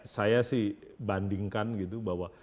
saya sih bandingkan gitu bahwa